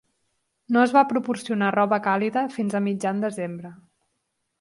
No es va proporcionar roba càlida fins a mitjan desembre.